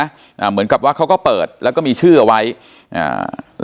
อ่าเหมือนกับว่าเขาก็เปิดแล้วก็มีชื่อเอาไว้อ่า